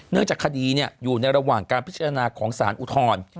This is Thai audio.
เนื่องจากคดีเนี่ยอยู่ในระหว่างการพิจารณาของศาลอุทร